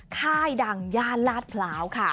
ค่ายดังย่านลาดพร้าวค่ะ